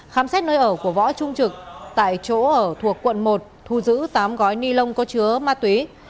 khám xét nơi ở của võ trung trực tại chỗ ở thuộc quận một thu giữ tám gói ni lông có chứa ma túy